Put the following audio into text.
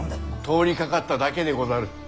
通りかかっただけでござる。